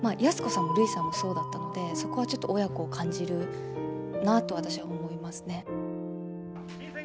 安子さんもるいさんもそうだったのでそこはちょっと親子を感じるなと私は思いますね。